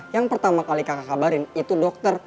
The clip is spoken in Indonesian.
yang pertama kali kakak kabarin itu dokter